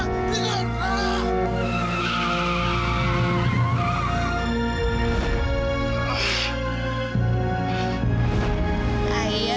arman kelihatannya serius banget sih